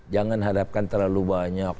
jangan harapkan terlalu banyak